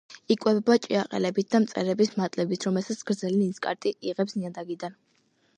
იკვებება ჭიაყელებით და მწერების მატლებით, რომელსაც გრძელი ნისკარტით იღებს ნიადაგიდან.